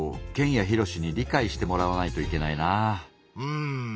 うん。